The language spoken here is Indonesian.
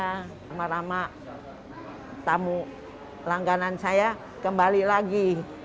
ramai ramai tamu langganan saya kembali lagi